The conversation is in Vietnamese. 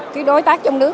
các đối tác trong nước